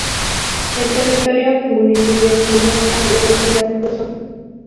El territorio del municipio incluye al de una ciudad, Hudson.